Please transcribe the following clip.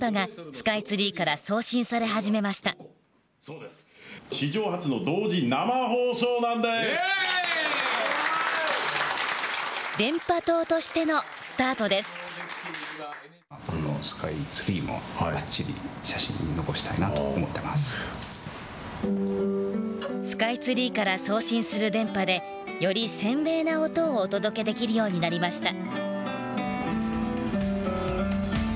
スカイツリーから送信する電波でより鮮明な音をお届けできるようになりました。